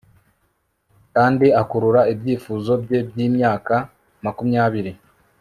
Kandi akurura ibyifuzo bye byimyaka makumyabiri